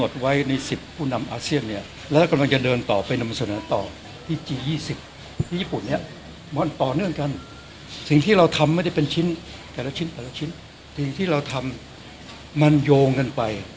ชิ้นอันละชิ้นสิ่งที่เราทำมันโยงกันไป